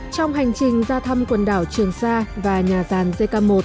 trong hành trình ra thăm quần đảo trường sa và nhà ràn jk một